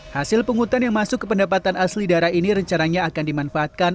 hasil penghutan yang masuk ke pendapatan asli daerah ini rencananya akan dimanfaatkan